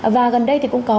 và gần đây thì cũng có